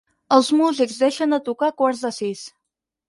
Els músics deixen de tocar a quarts de sis.